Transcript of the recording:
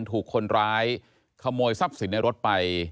ถูกคนร้ายขโมยทรัพย์สินในรถไป